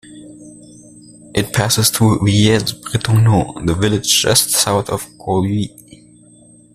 It passes through Villers-Bretonneux, the village just south of Corbie.